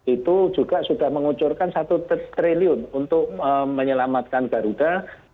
itu juga sudah mengucurkan satu triliun untuk menyelamatkan garuda